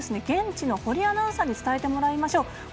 現地の堀アナウンサーに伝えてもらいましょう。